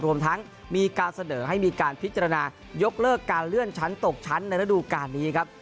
รวมทั้งมีการเสนอให้มีการพิจารณายกเลิกการเลื่อนชั้นตกชั้นในระดูการนี้ครับ